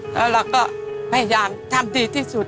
แล้วเราก็พยายามทำดีที่สุด